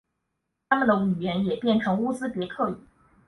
他们语言也变成乌兹别克语。